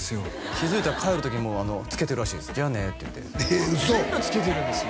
気づいたら帰るときもうつけてるらしいです「じゃあね」ってウソ全部つけてるんですよ